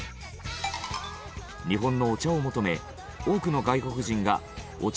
日本のお茶を求め多くの外国人がお茶